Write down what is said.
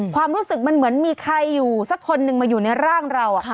ความรู้สึกมันเหมือนมีใครอยู่สักคนหนึ่งมาอยู่ในร่างเรา